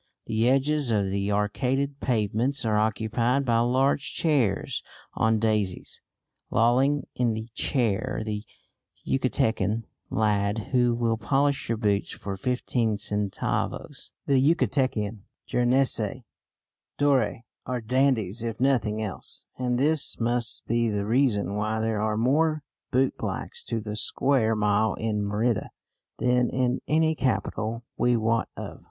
The edges of the arcaded pavements are occupied by large chairs on daises; lolling in the chair the Yucatecan lad who will polish your boots for fifteen centavos. The Yucatecan jeunesse dorée are dandies if nothing else, and this must be the reason why there are more bootblacks to the square mile in Merida than in any capital we wot of.